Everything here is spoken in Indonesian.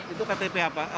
itu ktp apa